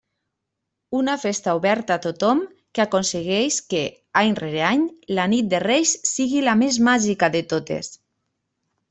Una festa oberta a tothom que aconsegueix que, any rere any, la nit de Reis sigui la més màgica de totes.